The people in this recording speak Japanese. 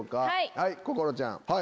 はい心ちゃん。